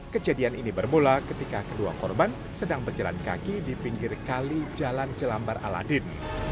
kejadian ini bermula ketika kedua korban sedang berjalan kaki di pinggir kali jalan jelambar aladin